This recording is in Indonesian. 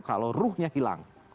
kalau ruhnya hilang